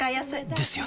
ですよね